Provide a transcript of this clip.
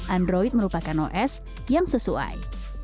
android merupakan os yang sesuai